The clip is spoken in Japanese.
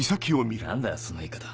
何だよその言い方